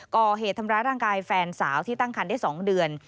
ก่อเหตุทำร้ายร่างกายแฟนสาวที่ตั้งคันได้๒เดือน